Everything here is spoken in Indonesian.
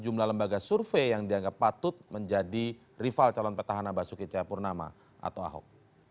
jumlah lembaga survei yang dianggap patut menjadi rival calon pertahanan basuki cahapurnama atau ahok